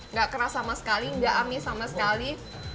nggak keras sama sekali nggak amis sama sekali